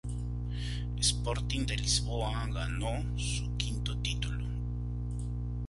Sporting de Lisboa ganó su quinto título.